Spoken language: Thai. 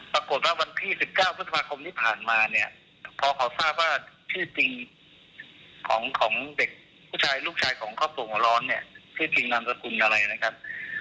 วันที่๑๙พฤษภาคมที่ผ่านมาเนี่ยพอเขาทราบว่าชื่อจริงของเด็กผู้ชายลูกชายของครอบครัวหัวร้อนเนี่ยชื่อจริงนามสกุลอะไรนะครับ